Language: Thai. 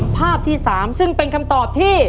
ภาพที่๓ซึ่งเป็นคำตอบที่